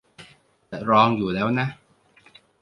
จะลองอยู่แล้วนะ